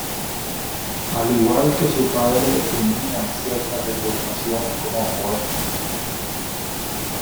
Al igual que su padre tenía cierta reputación como poeta.